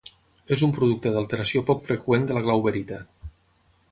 És un producte d'alteració poc freqüent de la glauberita.